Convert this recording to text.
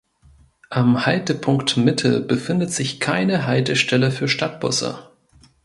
Am Haltepunkt Mitte befindet sich keine Haltestelle für Stadtbusse.